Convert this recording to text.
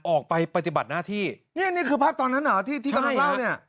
ออกไปปฏิบัติหน้าที่นี่นี่คือภาพตอนนั้นเหรอที่ที่กำลังเล่าเนี่ย